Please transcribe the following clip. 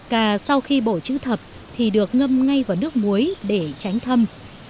cà sau khi bổ chữ thập thì được ngâm ngay vào nước muối để tránh thâm